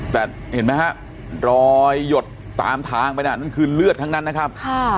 แต่เห็นไหมฮะรอยหยดตามทางไปน่ะนั่นคือเลือดทั้งนั้นนะครับ